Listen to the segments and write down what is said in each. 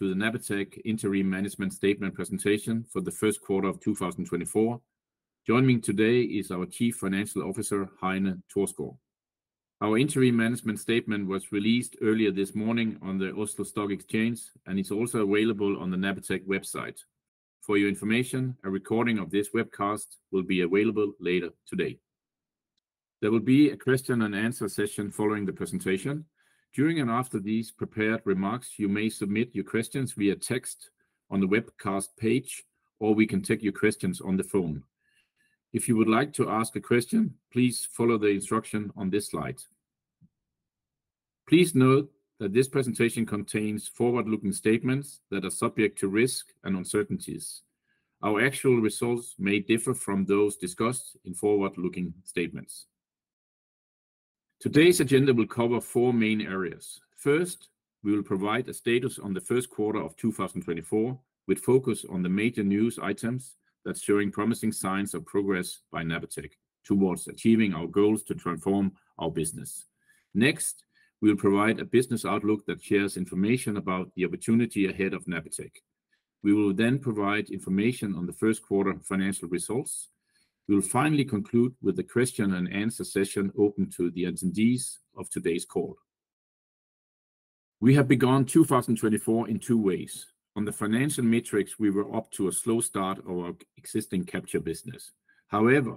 To the Napatech Interim Management Statement Presentation for the First Quarter of 2024. Joining me today is our Chief Financial Officer, Heine Thorsgaard. Our Interim Management Statement was released earlier this morning on the Oslo Stock Exchange, and it's also available on the Napatech website. For your information, a recording of this webcast will be available later today. There will be a Q&A session following the presentation. During and after these prepared remarks, you may submit your questions via text on the webcast page, or we can take your questions on the phone. If you would like to ask a question, please follow the instruction on this slide. Please note that this presentation contains forward-looking statements that are subject to risk and uncertainties. Our actual results may differ from those discussed in forward-looking statements. Today's agenda will cover four main areas. First, we will provide a status on the first quarter of 2024 with focus on the major news items that are showing promising signs of progress by Napatech towards achieving our goals to transform our business. Next, we will provide a business outlook that shares information about the opportunity ahead of Napatech. We will then provide information on the first quarter financial results. We will finally conclude with a Q&A session open to the attendees of today's call. We have begun 2024 in two ways. On the financial metrics, we were up to a slow start of our existing capture business. However,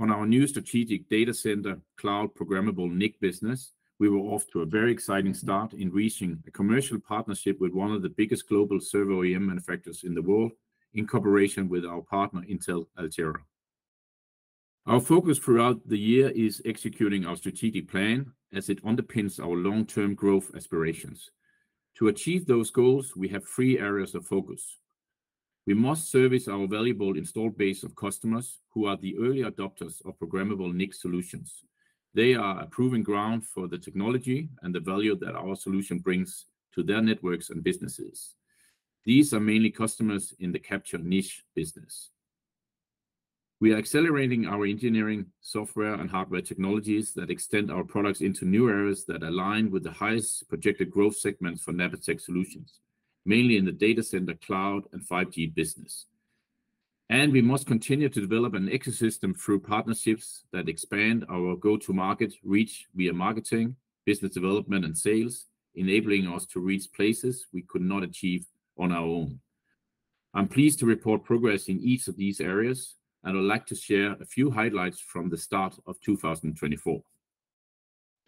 on our new strategic data center cloud programmable NIC business, we were off to a very exciting start in reaching a commercial partnership with one of the biggest global server OEM manufacturers in the world in cooperation with our partner Intel-Altera. Our focus throughout the year is executing our strategic plan as it underpins our long-term growth aspirations. To achieve those goals, we have three areas of focus. We must service our valuable installed base of customers who are the early adopters of programmable NIC solutions. They are a proving ground for the technology and the value that our solution brings to their networks and businesses. These are mainly customers in the capture niche business. We are accelerating our engineering, software, and hardware technologies that extend our products into new areas that align with the highest projected growth segments for Napatech solutions, mainly in the data center cloud and 5G business. We must continue to develop an ecosystem through partnerships that expand our go-to-market reach via marketing, business development, and sales, enabling us to reach places we could not achieve on our own. I'm pleased to report progress in each of these areas, and I'd like to share a few highlights from the start of 2024.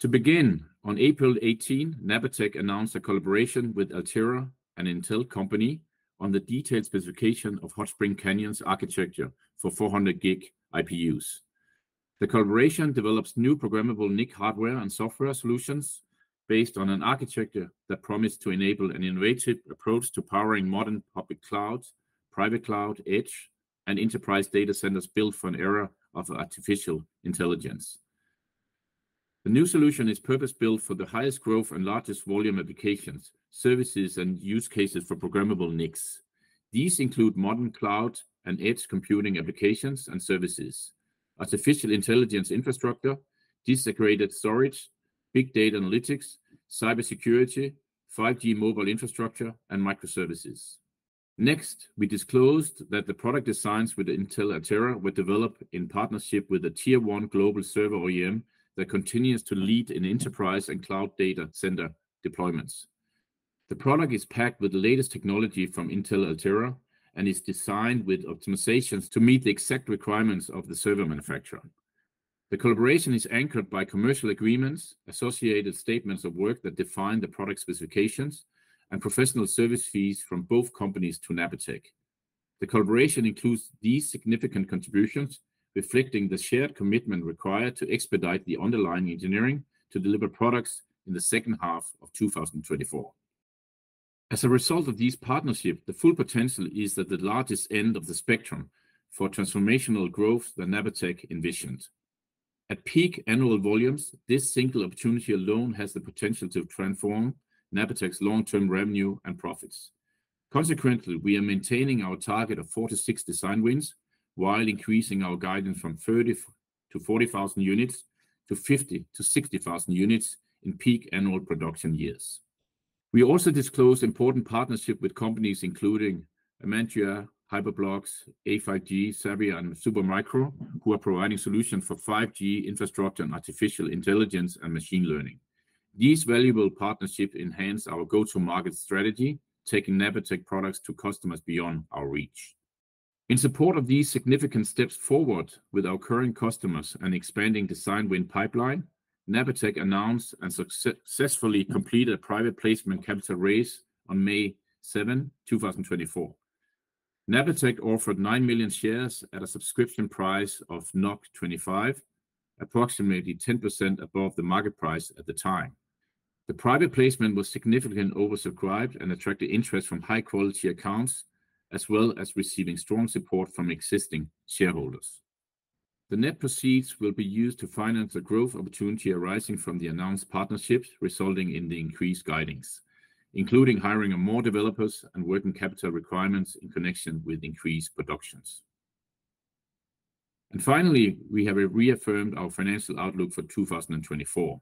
To begin, on April 18, Napatech announced a collaboration with Altera, an Intel company, on the detailed specification of Hot Springs Canyon's architecture for 400 G IPUs. The collaboration develops new programmable NIC hardware and software solutions based on an architecture that promises to enable an innovative approach to powering modern public cloud, private cloud, edge, and enterprise data centers built for an era of artificial intelligence. The new solution is purpose-built for the highest growth and largest volume applications, services, and use cases for programmable NICs. These include modern cloud and edge computing applications and services, artificial intelligence infrastructure, disaggregated storage, big data analytics, cybersecurity, 5G mobile infrastructure, and microservices. Next, we disclosed that the product designs with Intel-Altera were developed in partnership with a tier one global server OEM that continues to lead in enterprise and cloud data center deployments. The product is packed with the latest technology from Intel-Altera and is designed with optimizations to meet the exact requirements of the server manufacturer. The collaboration is anchored by commercial agreements, associated statements of work that define the product specifications, and professional service fees from both companies to Napatech. The collaboration includes these significant contributions reflecting the shared commitment required to expedite the underlying engineering to deliver products in the second half of 2024. As a result of this partnership, the full potential is at the largest end of the spectrum for transformational growth that Napatech envisioned. At peak annual volumes, this single opportunity alone has the potential to transform Napatech's long-term revenue and profits. Consequently, we are maintaining our target of four to six design wins while increasing our guidance from 30,000-40,000 units to 50,000-60,000 units in peak annual production years. We also disclosed important partnerships with companies including Amantya, HyperBlox, A5G, Saviah, and Supermicro, who are providing solutions for 5G infrastructure and artificial intelligence and machine learning. These valuable partnerships enhance our go-to-market strategy, taking Napatech products to customers beyond our reach. In support of these significant steps forward with our current customers and expanding design win pipeline, Napatech announced and successfully completed a private placement capital raise on May 7, 2024. Napatech offered nine million shares at a subscription price of 25, approximately 10% above the market price at the time. The private placement was significantly oversubscribed and attracted interest from high-quality accounts, as well as receiving strong support from existing shareholders. The net proceeds will be used to finance the growth opportunity arising from the announced partnerships, resulting in the increased guidance, including hiring more developers and working capital requirements in connection with increased production. Finally, we have reaffirmed our financial outlook for 2024.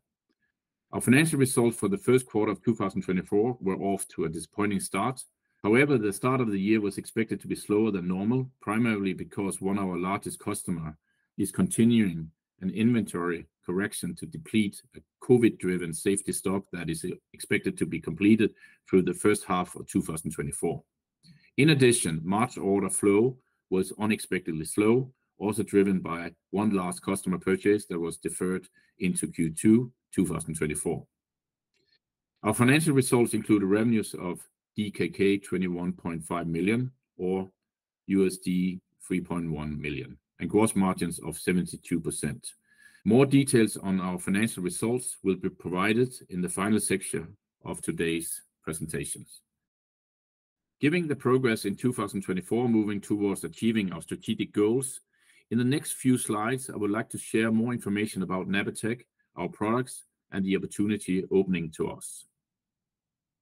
Our financial results for the first quarter of 2024 were off to a disappointing start. However, the start of the year was expected to be slower than normal, primarily because one of our largest customers is continuing an inventory correction to deplete a COVID-driven safety stock that is expected to be completed through the first half of 2024. In addition, March order flow was unexpectedly slow, also driven by one last customer purchase that was deferred into Q2 2024. Our financial results included revenues of DKK 21.5 million or $3.1 million and gross margins of 72%. More details on our financial results will be provided in the final section of today's presentations. Given the progress in 2024 moving towards achieving our strategic goals, in the next few slides I would like to share more information about Napatech, our products, and the opportunity opening to us.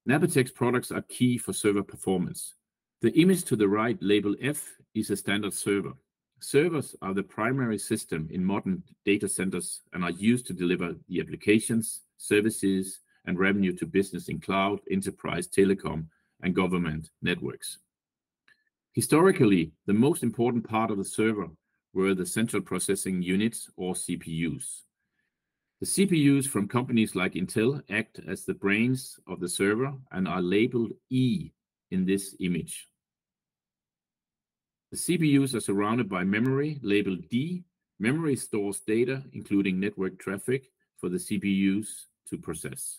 Napatech's products are key for server performance. The image to the right labeled F is a standard server. Servers are the primary system in modern data centers and are used to deliver the applications, services, and revenue to business in cloud, enterprise, telecom, and government networks. Historically, the most important part of the server were the central processing units or CPUs. The CPUs from companies like Intel act as the brains of the server and are labeled E in this image. The CPUs are surrounded by memory labeled D. Memory stores data, including network traffic, for the CPUs to process.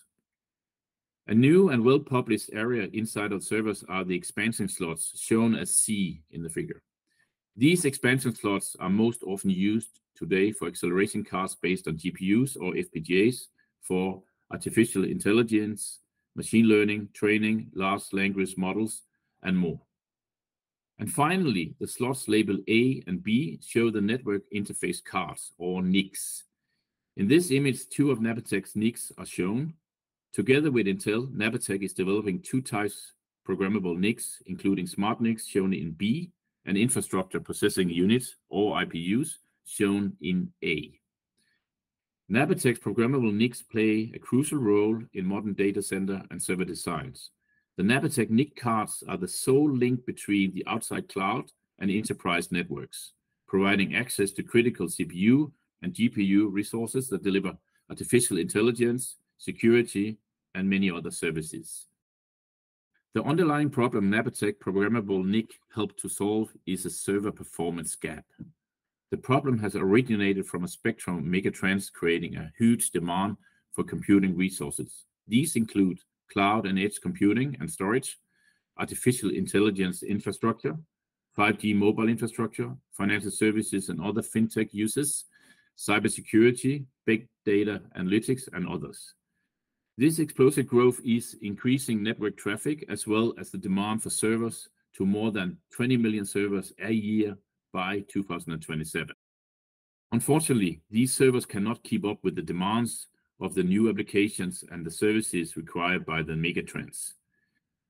A new and well-published area inside of servers are the expansion slots shown as C in the figure. These expansion slots are most often used today for acceleration cards based on GPUs or FPGAs for artificial intelligence, machine learning, training, large language models, and more. And finally, the slots labeled A and B show the network interface cards or NICs. In this image, two of Napatech's NICs are shown. Together with Intel, Napatech is developing two types of programmable NICs, including smartNICs shown in B and infrastructure processing units or IPUs shown in A. Napatech's programmable NICs play a crucial role in modern data center and server designs. The Napatech NIC cards are the sole link between the outside cloud and enterprise networks, providing access to critical CPU and GPU resources that deliver artificial intelligence, security, and many other services. The underlying problem Napatech programmable NIC helped to solve is a server performance gap. The problem has originated from a spectrum of megatrends creating a huge demand for computing resources. These include cloud and edge computing and storage, artificial intelligence infrastructure, 5G mobile infrastructure, financial services, and other fintech uses, cybersecurity, big data analytics, and others. This explosive growth is increasing network traffic as well as the demand for servers to more than 20 million servers a year by 2027. Unfortunately, these servers cannot keep up with the demands of the new applications and the services required by the megatrends.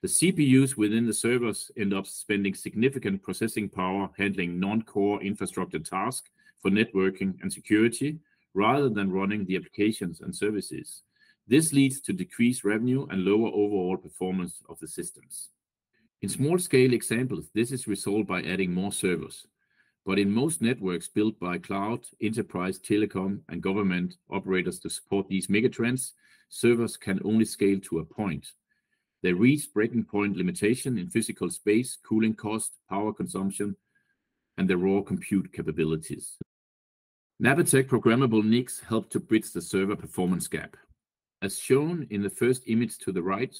The CPUs within the servers end up spending significant processing power handling non-core infrastructure tasks for networking and security rather than running the applications and services. This leads to decreased revenue and lower overall performance of the systems. In small-scale examples, this is resolved by adding more servers. But in most networks built by cloud, enterprise, telecom, and government operators to support these megatrends, servers can only scale to a point. They reach breaking point limitation in physical space, cooling cost, power consumption, and their raw compute capabilities. Napatech programmable NICs help to bridge the server performance gap. As shown in the first image to the right,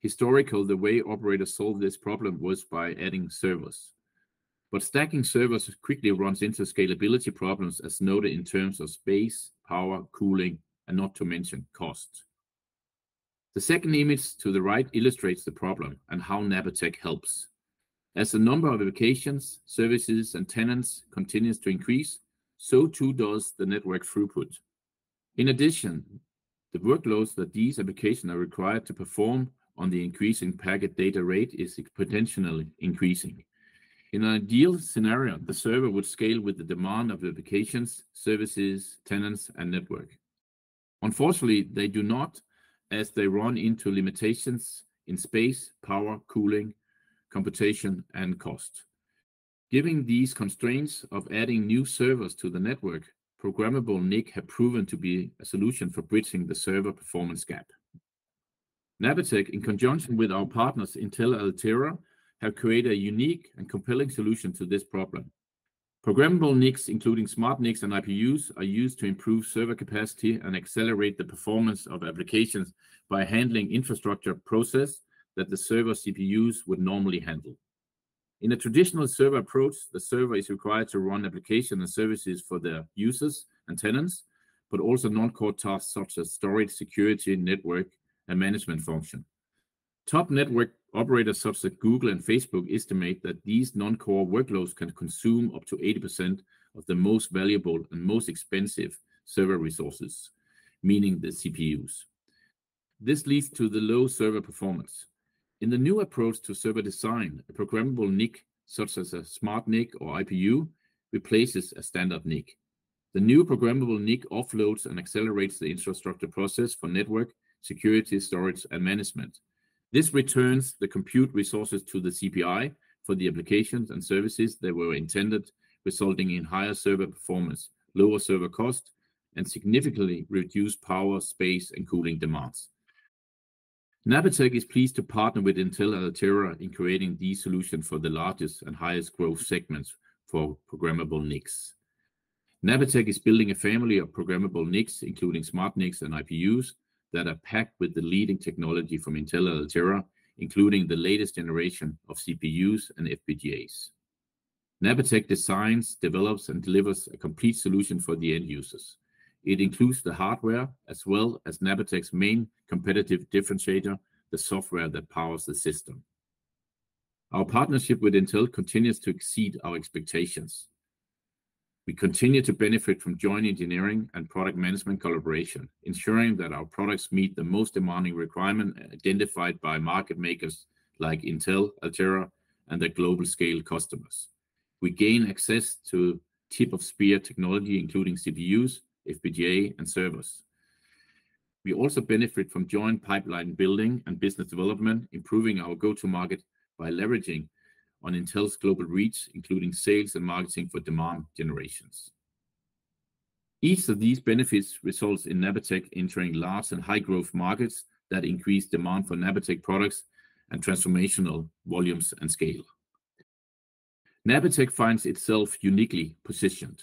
historically, the way operators solved this problem was by adding servers. But stacking servers quickly runs into scalability problems, as noted in terms of space, power, cooling, and not to mention cost. The second image to the right illustrates the problem and how Napatech helps. As the number of applications, services, and tenants continues to increase, so too does the network throughput. In addition, the workloads that these applications are required to perform on the increasing packet data rate are exponentially increasing. In an ideal scenario, the server would scale with the demand of the applications, services, tenants, and network. Unfortunately, they do not, as they run into limitations in space, power, cooling, computation, and cost. Given these constraints of adding new servers to the network, programmable NICs have proven to be a solution for bridging the server performance gap. Napatech, in conjunction with our partners Intel-Altera, have created a unique and compelling solution to this problem. Programmable NICs, including smartNICs and IPUs, are used to improve server capacity and accelerate the performance of applications by handling infrastructure processes that the server CPUs would normally handle. In a traditional server approach, the server is required to run applications and services for their users and tenants, but also non-core tasks such as storage, security, network, and management functions. Top network operators such as Google and Facebook estimate that these non-core workloads can consume up to 80% of the most valuable and most expensive server resources, meaning the CPUs. This leads to low server performance. In the new approach to server design, a programmable NIC such as a smartNIC or IPU replaces a standard NIC. The new programmable NIC offloads and accelerates the infrastructure process for network, security, storage, and management. This returns the compute resources to the CPU for the applications and services that were intended, resulting in higher server performance, lower server cost, and significantly reduced power, space, and cooling demands. Napatech is pleased to partner with Intel-Altera in creating these solutions for the largest and highest growth segments for programmable NICs. Napatech is building a family of programmable NICs, including smartNICs and IPUs, that are packed with the leading technology from Intel-Altera, including the latest generation of CPUs and FPGAs. Napatech designs, develops, and delivers a complete solution for the end users. It includes the hardware as well as Napatech's main competitive differentiator, the software that powers the system. Our partnership with Intel continues to exceed our expectations. We continue to benefit from joint engineering and product management collaboration, ensuring that our products meet the most demanding requirements identified by market makers like Intel-Altera and their global-scale customers. We gain access to tip-of-spear technology, including CPUs, FPGAs, and servers. We also benefit from joint pipeline building and business development, improving our go-to-market by leveraging on Intel's global reach, including sales and marketing for demand generations. Each of these benefits results in Napatech entering large and high-growth markets that increase demand for Napatech products and transformational volumes and scale. Napatech finds itself uniquely positioned.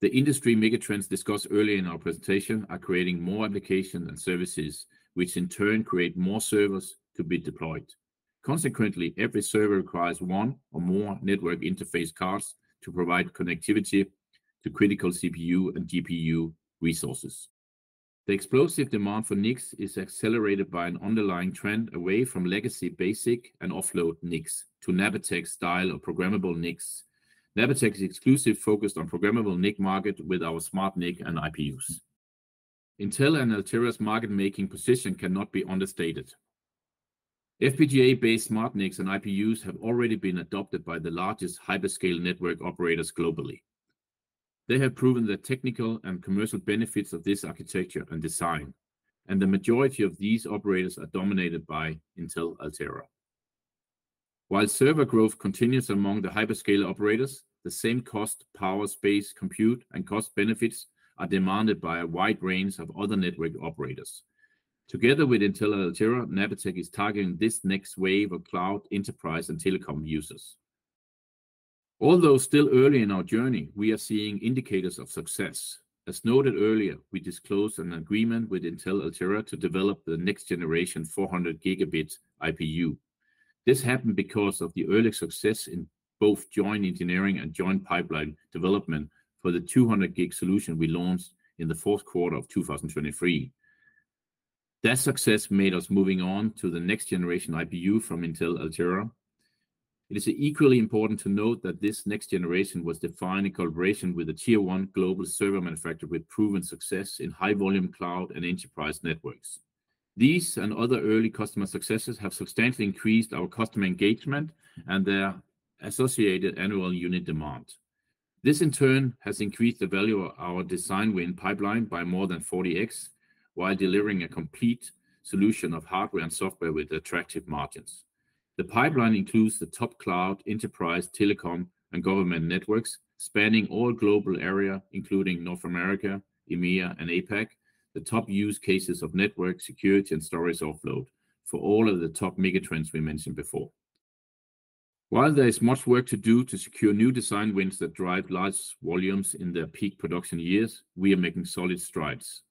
The industry megatrends discussed earlier in our presentation are creating more applications and services, which in turn create more servers to be deployed. Consequently, every server requires one or more network interface cards to provide connectivity to critical CPU and GPU resources. The explosive demand for NICs is accelerated by an underlying trend away from legacy basic and offload NICs to Napatech-style programmable NICs. Napatech's exclusive focus on the programmable NIC market with our smartNICs and IPUs. Intel and Altera's market-making position cannot be understated. FPGA-based smartNICs and IPUs have already been adopted by the largest hyperscale network operators globally. They have proven the technical and commercial benefits of this architecture and design, and the majority of these operators are dominated by Intel Altera. While server growth continues among the hyperscale operators, the same cost, power, space, compute, and cost benefits are demanded by a wide range of other network operators. Together with Intel Altera, Napatech is targeting this next wave of cloud, enterprise, and telecom users. Although still early in our journey, we are seeing indicators of success. As noted earlier, we disclosed an agreement with Intel Altera to develop the next-generation 400 G IPU. This happened because of the early success in both joint engineering and joint pipeline development for the 200 G solution we launched in the fourth quarter of 2023. That success made us move on to the next-generation IPU from Intel Altera. It is equally important to note that this next generation was defined in collaboration with a Tier 1 global server manufacturer with proven success in high-volume cloud and enterprise networks. These and other early customer successes have substantially increased our customer engagement and their associated annual unit demand. This, in turn, has increased the value of our design win pipeline by more than 40x, while delivering a complete solution of hardware and software with attractive margins. The pipeline includes the top cloud, enterprise, telecom, and government networks, spanning all global areas, including North America, EMEA, and APAC, the top use cases of network, security, and storage offload for all of the top megatrends we mentioned before. While there is much work to do to secure new design wins that drive large volumes in their peak production years, we are making solid strides.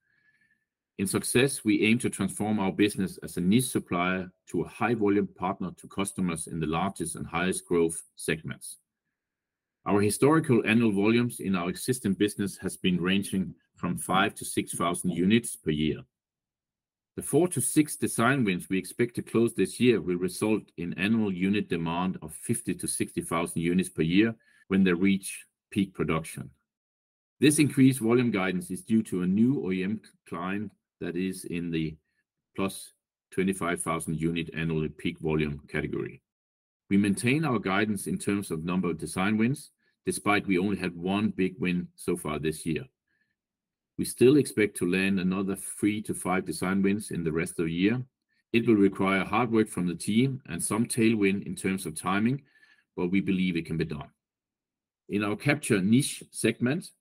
In success, we aim to transform our business as a niche supplier to a high-volume partner to customers in the largest and highest growth segments. Our historical annual volumes in our existing business have been ranging from 5,000-6,000 units per year. The four to six design wins we expect to close this year will result in annual unit demand of 50,000-60,000 units per year when they reach peak production. This increased volume guidance is due to a new OEM client that is in the +25,000 unit annually peak volume category. We maintain our guidance in terms of number of design wins, despite we only had one big win so far this year. We still expect to land another three to five design wins in the rest of the year. It will require hard work from the team and some tailwind in terms of timing, but we believe it can be done. In our capture niche segment,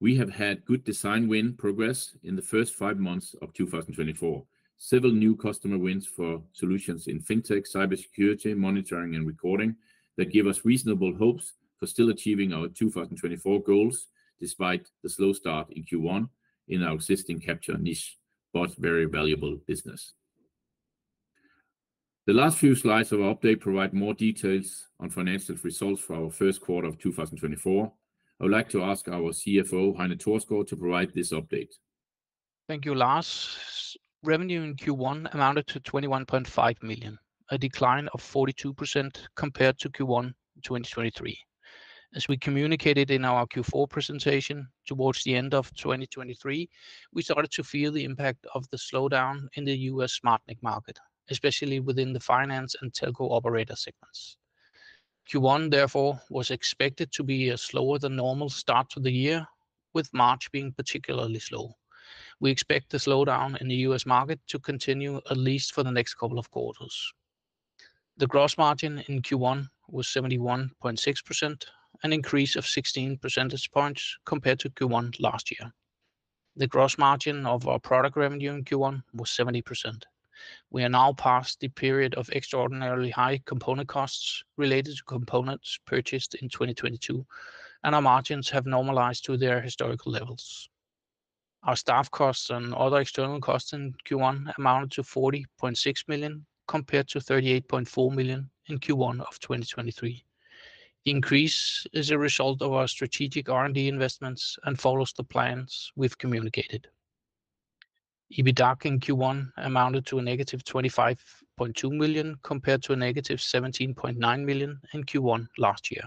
we have had good design win progress in the first five months of 2024, several new customer wins for solutions in fintech, cybersecurity, monitoring, and recording, that give us reasonable hopes for still achieving our 2024 goals despite the slow start in Q1 in our existing capture niche, but very valuable business. The last few slides of our update provide more details on financial results for our first quarter of 2024. I would like to ask our CFO, Heine Thorsgaard, to provide this update. Thank you, Lars. Revenue in Q1 amounted to 21.5 million, a decline of 42% compared to Q1 2023. As we communicated in our Q4 presentation towards the end of 2023, we started to feel the impact of the slowdown in the U.S. smartNIC market, especially within the finance and telco operator segments. Q1, therefore, was expected to be a slower-than-normal start to the year, with March being particularly slow. We expect the slowdown in the U.S. market to continue at least for the next couple of quarters. The gross margin in Q1 was 71.6%, an increase of 16 percentage points compared to Q1 last year. The gross margin of our product revenue in Q1 was 70%. We have now passed the period of extraordinarily high component costs related to components purchased in 2022, and our margins have normalized to their historical levels. Our staff costs and other external costs in Q1 amounted to 40.6 million compared to 38.4 million in Q1 of 2023. The increase is a result of our strategic R&D investments and follows the plans we've communicated. EBITDA in Q1 amounted to -25.2 million compared to -17.9 million in Q1 last year.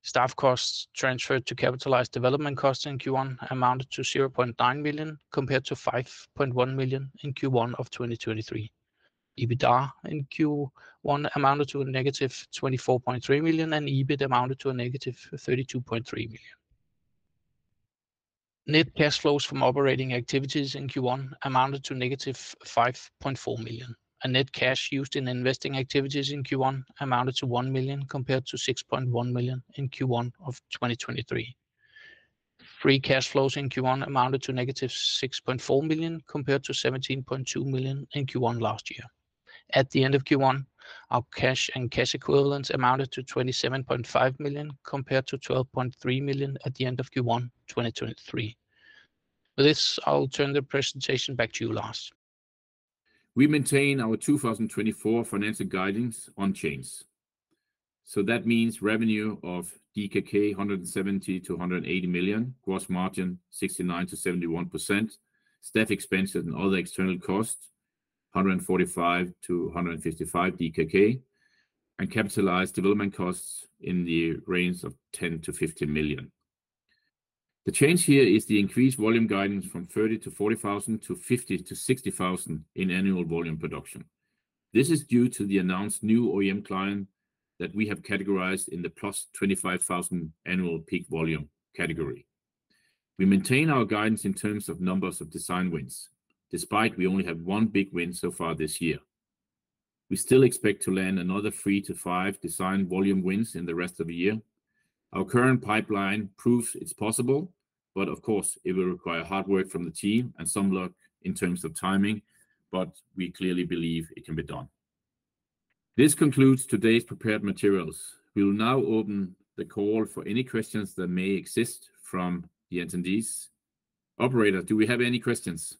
Staff costs transferred to capitalized development costs in Q1 amounted to 0.9 million compared to 5.1 million in Q1 of 2023. EBITDA in Q1 amounted to -24.3 million, and EBIT amounted to -32.3 million. Net cash flows from operating activities in Q1 amounted to -5.4 million, and net cash used in investing activities in Q1 amounted to 1 million compared to 6.1 million in Q1 of 2023. Free cash flows in Q1 amounted to -6.4 million compared to 17.2 million in Q1 last year. At the end of Q1, our cash and cash equivalents amounted to 27.5 million compared to 12.3 million at the end of Q1 2023. With this, I'll turn the presentation back to you, Lars. We maintain our 2024 financial guidance unchanged. So that means revenue of 170 million-180 million, gross margin 69%-71%, staff expenses and other external costs 145 million-155 million DKK, and capitalized development costs in the range of 10 million-15 million. The change here is the increased volume guidance from 30,000-40,000 to 50,000-60,000 in annual volume production. This is due to the announced new OEM client that we have categorized in the +25,000 annual peak volume category. We maintain our guidance in terms of numbers of design wins, despite we only had one big win so far this year. We still expect to land another three to five design volume wins in the rest of the year. Our current pipeline proves it's possible, but of course it will require hard work from the team and some luck in terms of timing, but we clearly believe it can be done. This concludes today's prepared materials. We will now open the call for any questions that may exist from the attendees. Operator, do we have any questions?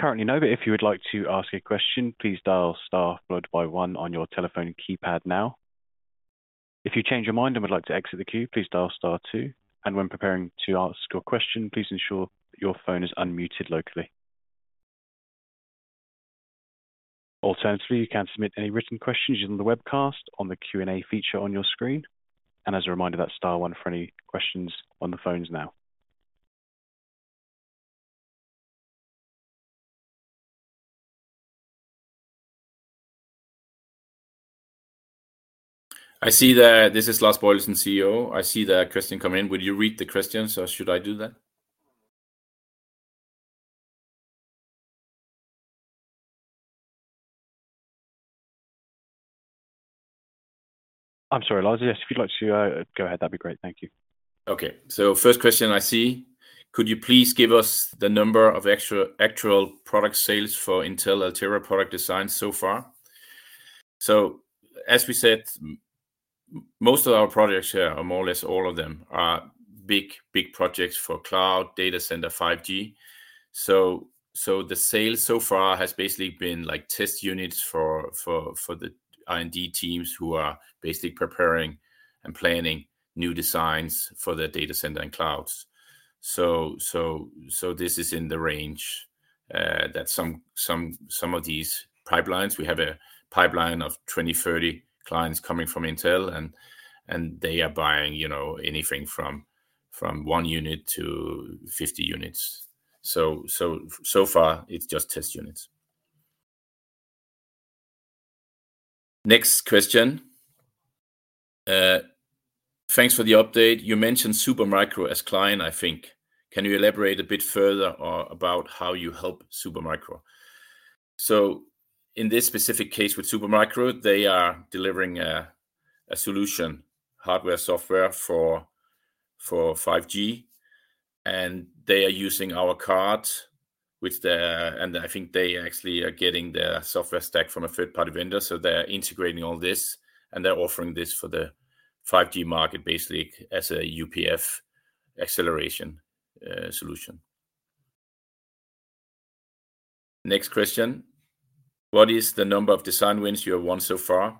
If you would like to ask a question, please dial star, one on your telephone keypad now. If you change your mind and would like to exit the queue, please dial star, two. And when preparing to ask your question, please ensure that your phone is unmuted locally. Alternatively, you can submit any written questions using the webcast on the Q&A feature on your screen. And as a reminder, that's star, one for any questions on the phones now. I see that this is Lars Boilesen, CEO. I see that question come in. Would you read the question, so should I do that? I'm sorry, Lars. Yes, if you'd like to go ahead, that'd be great. Thank you. Okay. So first question I see: could you please give us the number of actual product sales for Intel-Altera product design so far? So as we said, most of our projects here, more or less all of them, are big, big projects for cloud data center 5G. So the sale so far has basically been test units for the R&D teams who are basically preparing and planning new designs for their data center and clouds. So this is in the range that some of these pipelines, we have a pipeline of 20-30 clients coming from Intel, and they are buying anything from one unit to 50 units. So so far, it's just test units. Next question. Thanks for the update. You mentioned Supermicro as client, I think. Can you elaborate a bit further about how you help Supermicro? So in this specific case with Supermicro, they are delivering a solution, hardware, software, for 5G. They are using our card, and I think they actually are getting their software stack from a third-party vendor. So they're integrating all this, and they're offering this for the 5G market basically as a UPF acceleration solution. Next question: what is the number of design wins you have won so far?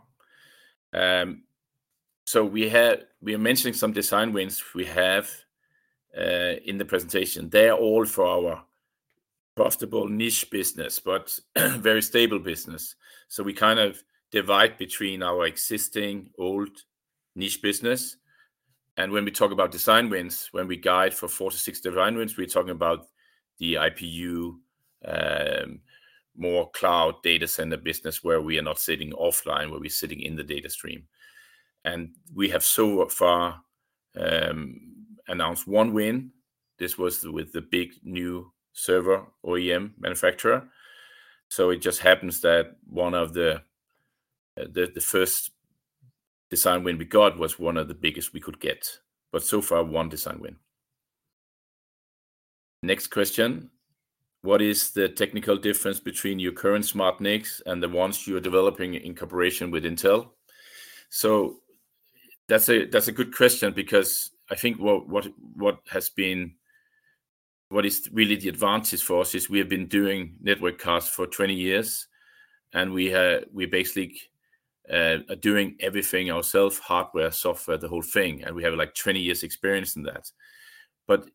We are mentioning some design wins we have in the presentation. They are all for our profitable niche business, but very stable business. We kind of divide between our existing old niche business. When we talk about design wins, when we guide for four to six design wins, we're talking about the IPU, more cloud data center business where we are not sitting offline, where we're sitting in the data stream. We have so far announced one win. This was with the big new server OEM manufacturer. So it just happens that one of the first design win we got was one of the biggest we could get. But so far, one design win. Next question: What is the technical difference between your current smartNICs and the ones you are developing in cooperation with Intel? So that's a good question because I think what has been, what is really the advantage for us is we have been doing network cards for 20 years, and we're basically doing everything ourselves, hardware, software, the whole thing and we have 20 years' experience in that. But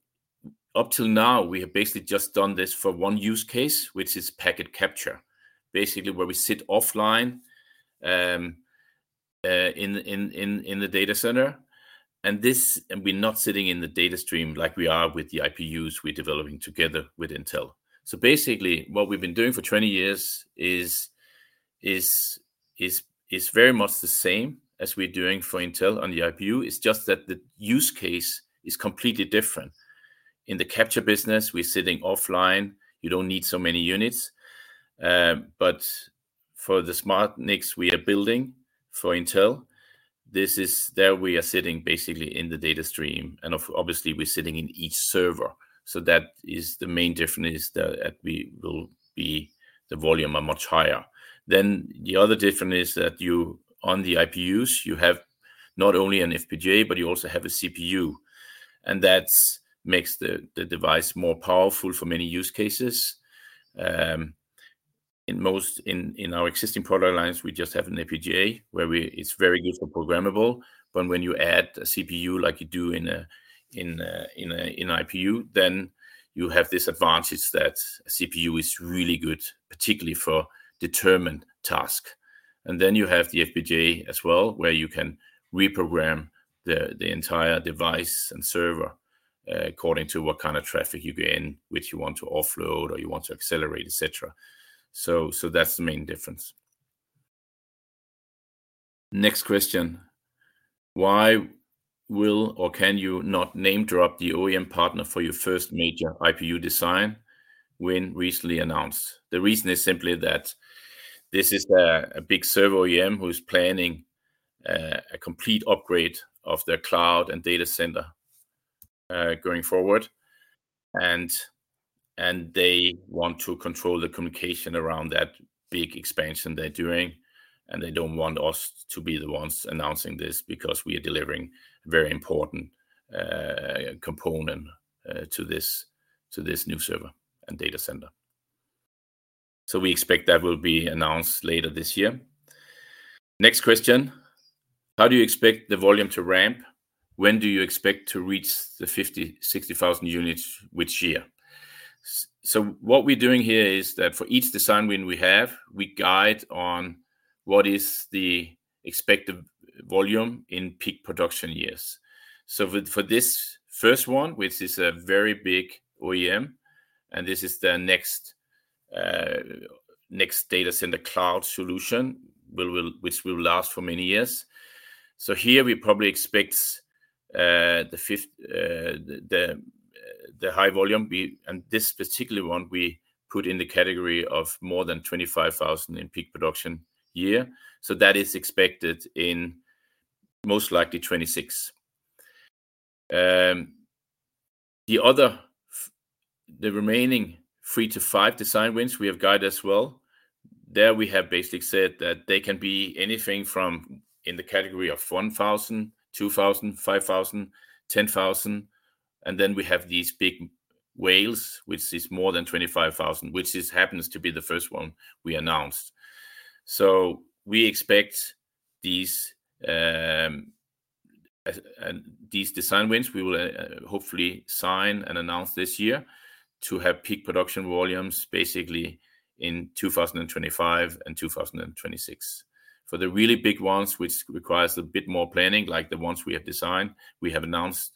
up till now, we have basically just done this for one use case, which is packet capture, basically where we sit offline in the data center, and we're not sitting in the data stream like we are with the IPUs we're developing together with Intel. So basically, what we've been doing for 20 years is very much the same as we're doing for Intel on the IPU. It's just that the use case is completely different. In the capture business, we're sitting offline. You don't need so many units. But for the smartNICs we are building for Intel, there we are sitting basically in the data stream, and obviously, we're sitting in each server. So that is the main difference, that we will be, the volume, are much higher. Then the other difference is that on the IPUs, you have not only an FPGA, but you also have a CPU. And that makes the device more powerful for many use cases. In our existing product lines, we just have an FPGA, where it's very good for programmable. But when you add a CPU like you do in an IPU, then you have this advantage that a CPU is really good, particularly for determined tasks. And then you have the FPGA as well, where you can reprogram the entire device and server according to what kind of traffic you gain, which you want to offload or you want to accelerate, etc. So that's the main difference. Next question: why will or can you not name-drop the OEM partner for your first major IPU design when recently announced? The reason is simply that this is a big server OEM who's planning a complete upgrade of their cloud and data center going forward, and they want to control the communication around that big expansion they're doing. They don't want us to be the ones announcing this because we are delivering a very important component to this new server and data center. So we expect that will be announced later this year. Next question: how do you expect the volume to ramp? When do you expect to reach the 50,000-60,000 units which year? So what we're doing here is that for each design win we have, we guide on what is the expected volume in peak production years. So for this first one, which is a very big OEM, and this is the next data center cloud solution which will last for many years. So here we probably expect the high volume, and this particular one we put in the category of more than 25,000 in peak production year. So that is expected in most likely 2026. The remaining three to five design wins we have guided as well. There we have basically said that they can be anything from in the category of 1,000, 2,000, 5,000, 10,000. And then we have these big whales, which is more than 25,000, which happens to be the first one we announced. So we expect these design wins we will hopefully sign and announce this year to have peak production volumes basically in 2025 and 2026. For the really big ones, which requires a bit more planning, like the ones we have designed, we have announced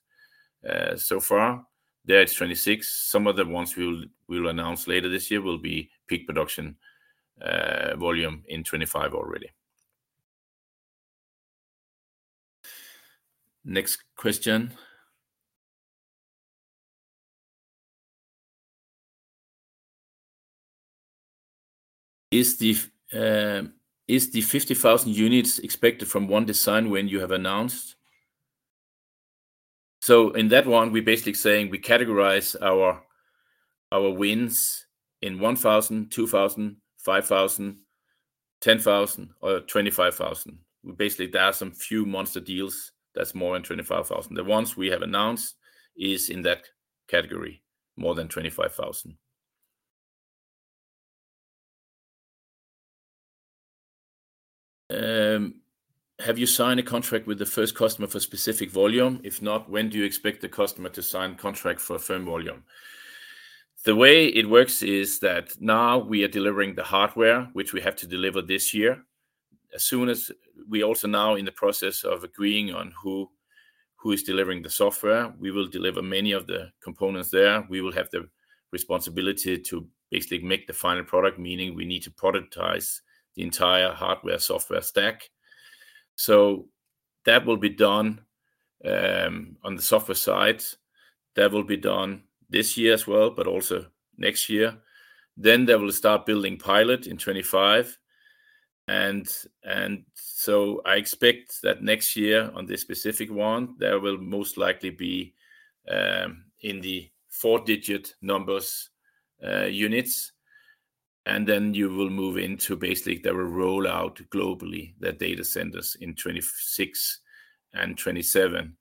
so far, there it's 2026. Some of the ones we will announce later this year will be peak production volume in 2025 already. Next question: is the 50,000 units expected from one design when you have announced? So in that one, we're basically saying we categorize our wins in 1,000, 2,000, 5,000, 10,000, or 25,000. Basically, there are some few monster deals that's more than 25,000. The ones we have announced are in that category, more than 25,000. Have you signed a contract with the first customer for specific volume? If not, when do you expect the customer to sign a contract for a firm volume? The way it works is that now we are delivering the hardware, which we have to deliver this year. We are also now in the process of agreeing on who is delivering the software. We will deliver many of the components there. We will have the responsibility to basically make the final product, meaning we need to productize the entire hardware software stack. So that will be done on the software side. That will be done this year as well, but also next year. Then there will start building pilot in 2025. So I expect that next year on this specific one, there will most likely be in the four-digit numbers units. And then you will move into basically there will roll out globally the data centers in 2026 and 2027.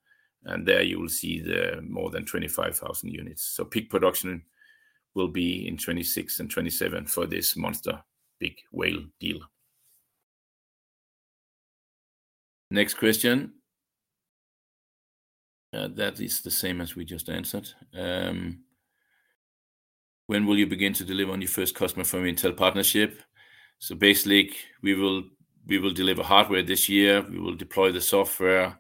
And there you will see the more than 25,000 units. So peak production will be in 2026 and 2027 for this monster big whale deal. Next question. That is the same as we just answered. When will you begin to deliver on your first customer from Intel partnership? So basically, we will deliver hardware this year. We will deploy the software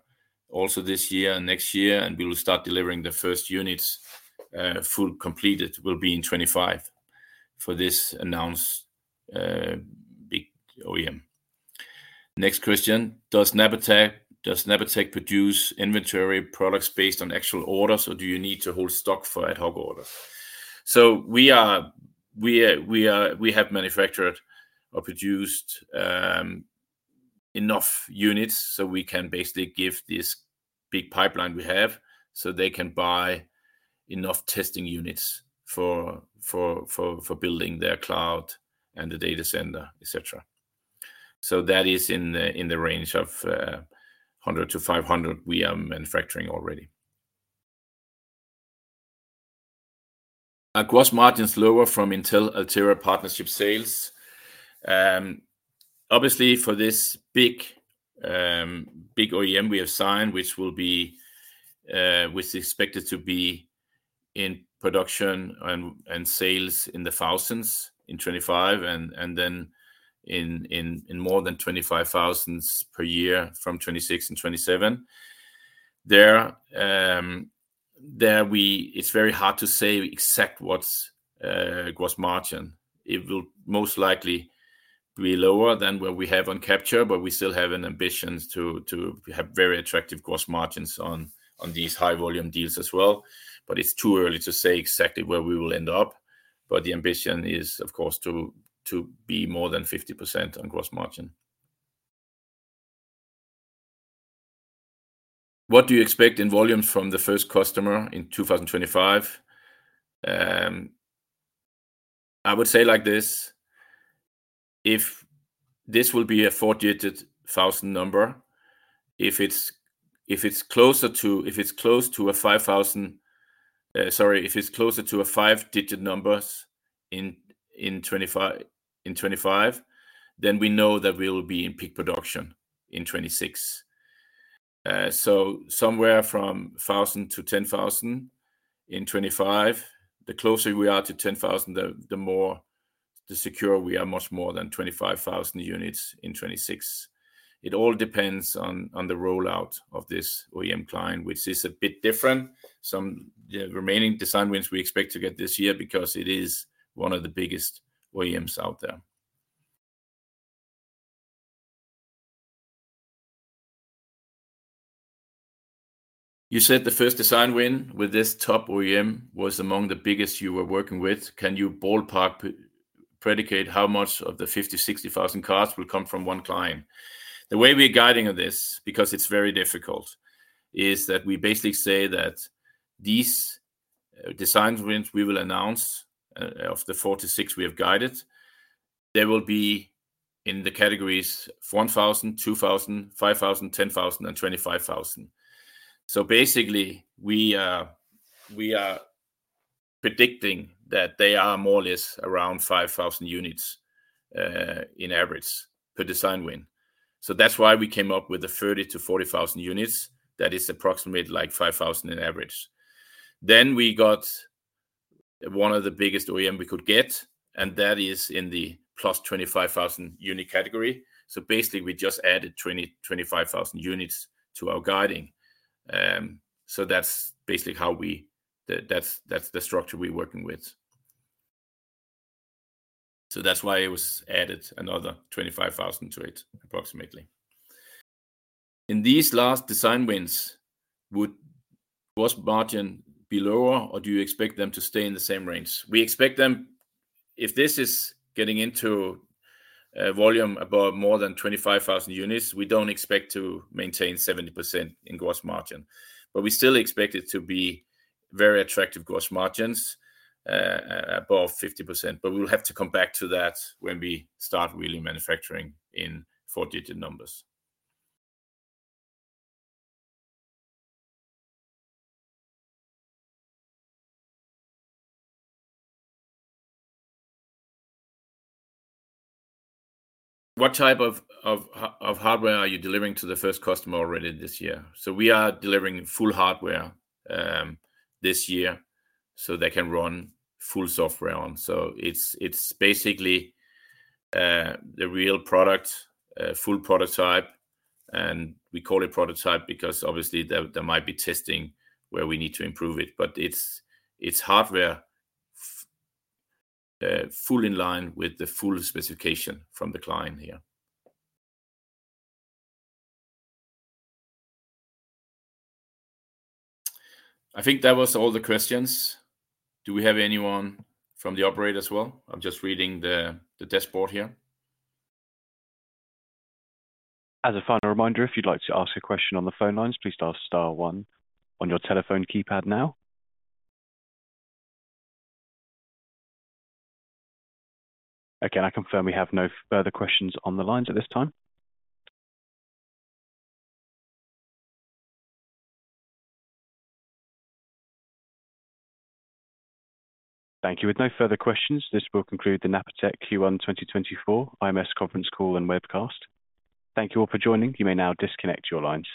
also this year and next year, and we will start delivering the first units full completed. It will be in 2025 for this announced big OEM. Next question: does Napatech produce inventory products based on actual orders, or do you need to hold stock for ad hoc orders? So we have manufactured or produced enough units so we can basically give this big pipeline we have so they can buy enough testing units for building their cloud and the data center, etc. So that is in the range of 100-500 we are manufacturing already. Our gross margin is lower from Intel-Altera partnership sales. Obviously, for this big OEM we have signed, which is expected to be in production and sales in the thousands in 2025 and then in more than 25,000 per year from 2026 and 2027, there it's very hard to say exactly what's gross margin. It will most likely be lower than what we have on capture, but we still have an ambition to have very attractive gross margins on these high volume deals as well. But it's too early to say exactly where we will end up. But the ambition is, of course, to be more than 50% on gross margin. What do you expect in volumes from the first customer in 2025? I would say like this: if this will be a four-digit thousand number, if it's closer to a 5,000, sorry, if it's closer to a five-digit numbers in 2025, then we know that we will be in peak production in 2026. So somewhere from 1,000 to 10,000 in 2025, the closer we are to 10,000, the more secure we are, much more than 25,000 units in 2026. It all depends on the rollout of this OEM client, which is a bit different. Some of the remaining design wins we expect to get this year because it is one of the biggest OEMs out there. You said the first design win with this top OEM was among the biggest you were working with. Can you ballpark predict how much of the 50,000-60,000 cards will come from one client? The way we're guiding on this, because it's very difficult, is that we basically say that these design wins we will announce of the four to six we have guided, there will be in the categories 1,000, 2,000, 5,000, 10,000, and 25,000. So basically, we are predicting that they are more or less around 5,000 units in average per design win. So that's why we came up with the 30,000-40,000 units. That is approximately 5,000 in average. Then we got one of the biggest OEMs we could get, and that is in the +25,000 unit category. So basically, we just added 25,000 units to our guiding. So that's basically how we, that's the structure we're working with. So that's why it was added another 25,000 to it approximately. In these last design wins, would gross margin be lower, or do you expect them to stay in the same range? We expect them, if this is getting into volume above more than 25,000 units, we don't expect to maintain 70% in gross margin. But we still expect it to be very attractive gross margins above 50%. But we'll have to come back to that when we start really manufacturing in four-digit numbers. What type of hardware are you delivering to the first customer already this year? We are delivering full hardware this year so they can run full software on. It's basically the real product, full prototype. We call it prototype because obviously there might be testing where we need to improve it. It's hardware full in line with the full specification from the client here. I think that was all the questions. Do we have anyone from the operator as well? I'm just reading the dashboard here. As a final reminder, if you'd like to ask a question on the phone lines, please ask star one on your telephone keypad now. Again, I confirm we have no further questions on the lines at this time. Thank you. With no further questions, this will conclude the Napatech Q1 2024 IMS conference call and webcast. Thank you all for joining. You may now disconnect your lines.